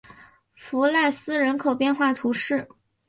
弗赖斯人口变化图示